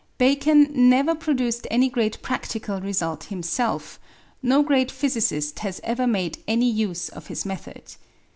Bacon never produced any great practical result himself, no great physicist has ever made any use of his method.